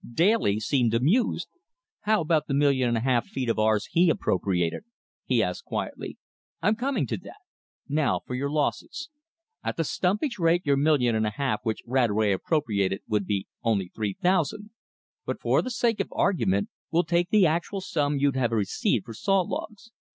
Daly seemed amused. "How about the million and a half feet of ours HE appropriated?" he asked quietly. "I'm coming to that. Now for your losses. At the stumpage rate your million and a half which Radway 'appropriated' would be only three thousand. But for the sake of argument, we'll take the actual sum you'd have received for saw logs.